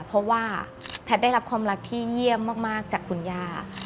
เพราะว่าแพทย์ได้รับความรักที่เยี่ยมมากจากคุณย่า